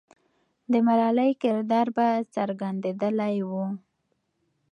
د ملالۍ کردار به څرګندېدلی وو.